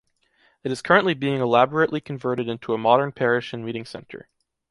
It is currently being elaborately converted into a modern parish and meeting center.